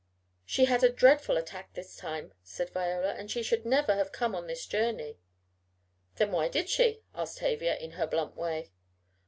"She had a dreadful attack this time," said Viola, "and she should never have come on this journey." "Then why did she?" asked Tavia, in her blunt way.